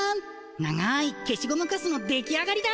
長いけしゴムカスの出来上がりだ。